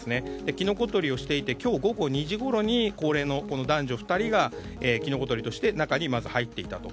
キノコ採りをしていて今日午後２時ごろに高齢の男女２人がキノコ採りとして中にまず入っていったと。